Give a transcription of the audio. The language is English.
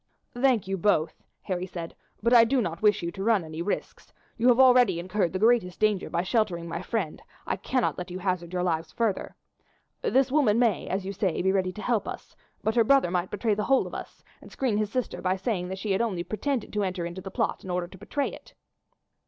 "Thank you both," Harry said; "but I do not wish you to run any risks. You have already incurred the greatest danger by sheltering my friend; I cannot let you hazard your lives farther. This woman may, as you say, be ready to help us, but her brother might betray the whole of us, and screen his sister by saying she had only pretended to enter into the plot in order to betray it."